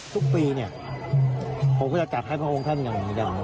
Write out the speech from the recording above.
ทุกปีเนี่ยผมก็จะจัดให้พระองค์ท่านอย่าง